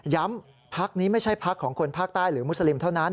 ย้ำภาคนี้ไม่ใช่ภาคของคนภาคใต้หรือมุสลิมเท่านั้น